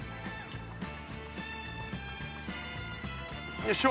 よいしょ！